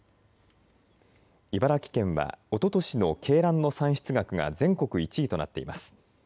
茨城県はおととしの鶏卵の産出額が全国１位となっています。